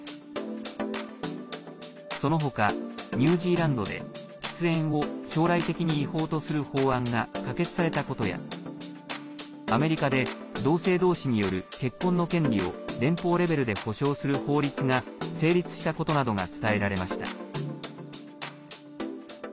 その他、ニュージーランドで喫煙を将来的に違法とする法案が可決されたことやアメリカで同性同士による結婚の権利を連邦レベルで保障する法律が成立したことなどが伝えられました。